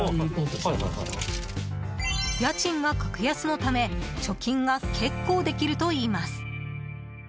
家賃が格安のため貯金が結構できるといいます。